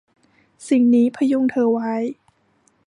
สิ่งนี้พยุงเธอไว้